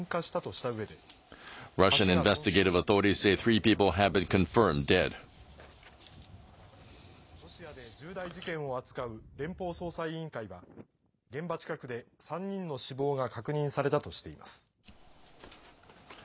また、ロシアで重大事件を扱う連邦捜査委員会は現場近くで３人の死亡が確認されとしています。